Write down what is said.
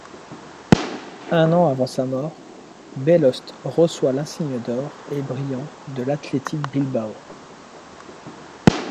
Un an avant sa mort, Belauste reçoit l'insigne d'or et brillants de l'Athletic Bilbao.